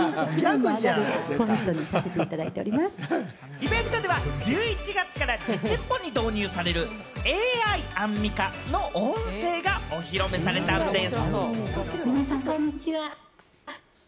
イベントでは１１月から実店舗に導入されるＡＩアンミカの音声がお披露目されたんでぃす。